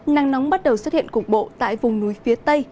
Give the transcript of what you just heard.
nắng nóng bắt đầu xuất hiện cục bộ tại vùng núi phía tây